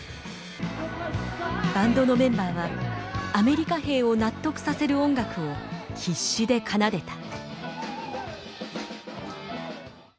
バンドのメンバーはアメリカ兵を納得させる音楽を必死で奏でた。